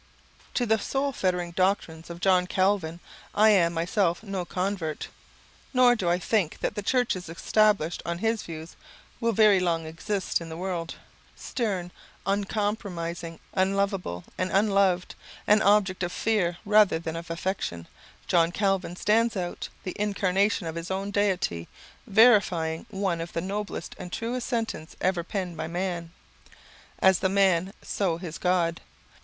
To the soul fettering doctrines of John Calvin I am myself no convert; nor do I think that the churches established on his views will very long exist in the world. Stern, uncompromising, unloveable and unloved, an object of fear rather than of affection, John Calvin stands out the incarnation of his own Deity; verifying one of the noblest and truest sentences ever penned by man: "As the man, so his God.